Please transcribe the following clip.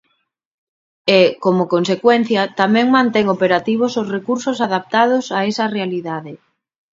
E, como consecuencia, tamén mantén operativos os recursos adaptados a esa realidade.